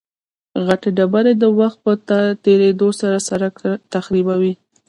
غټې ډبرې د وخت په تېرېدو سره سرک تخریبوي